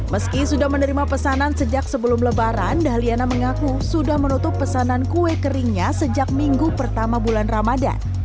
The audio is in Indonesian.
meski sudah menerima pesanan sejak sebelum lebaran dahliana mengaku sudah menutup pesanan kue keringnya sejak minggu pertama bulan ramadan